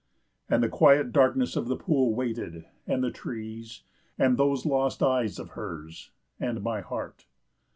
And the quiet darkness of the pool waited, and the trees, and those lost eyes of hers, and my heart.